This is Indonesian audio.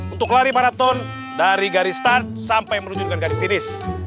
untuk lari marathon dari garis start sampai menuju dengan garis finish